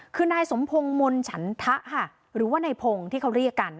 คือนายสมพงศ์มนฉันทะค่ะหรือว่านายพงศ์ที่เขาเรียกกัน